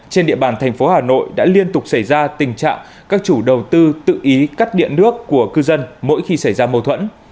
trên địa bàn thành phố hà nội đã liên tục xảy ra tình trạng các chủ đầu tư tự ý cắt điện nước của cư dân mỗi khi xảy ra mâu thuẫn